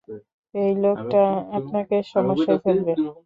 এই লোকটা আপনাকে সমস্যায় ফেলবে।